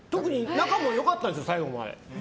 仲もよかったんですよ、最後まで。